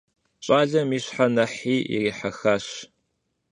Щӏалэм и щхьэр нэхъри ирихьэхащ.